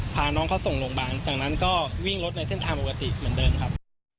พาน้องเขาส่งโรงพยาบาลจากนั้นก็วิ่งรถในเส้นทางปกติเหมือนเดิมครับ